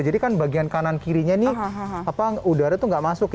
jadi kan bagian kanan kirinya ini udara itu nggak masuk